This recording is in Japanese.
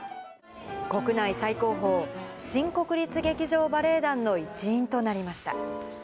国内最高峰、新国立劇場バレエ団の一員となりました。